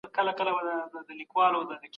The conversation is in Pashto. معلوماتي څېړنې د ټولنپوهانو لپاره ضروري دي.